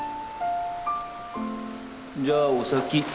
じゃあお先。